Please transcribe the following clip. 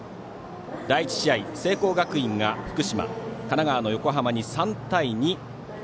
第１試合、聖光学院が福島神奈川の横浜に３対２。